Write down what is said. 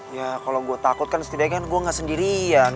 ya kalau gue takut kan setidaknya gue gak sendirian